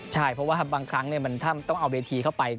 ใช่เพราะว่าบางครั้งต้องเอาเวทีเข้าไป